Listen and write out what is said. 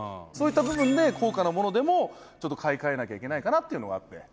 「そういった部分で高価なものでもちょっと買い替えなきゃいけないかなっていうのがあって」